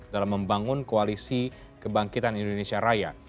dalam membangun koalisi kebangkitan indonesia raya